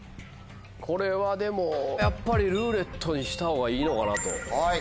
これはでもやっぱり「ルーレット」にした方がいいのかなと。